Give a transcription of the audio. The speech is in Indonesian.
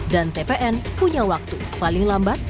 dan tpn punya waktu paling lambat